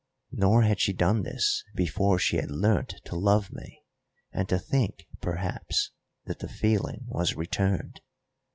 Nor had she done this before she had learnt to love me, and to think, perhaps, that the feeling was returned.